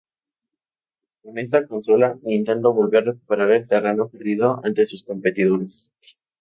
Con esta consola, Nintendo volvió a recuperar el terreno perdido ante sus competidores.